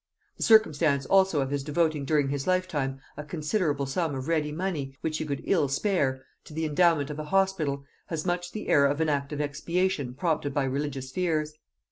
The circumstance also of his devoting during his lifetime a considerable sum of ready money, which he could ill spare, to the endowment of a hospital, has much the air of an act of expiation prompted by religious fears.